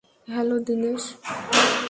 Hello, Dinesh.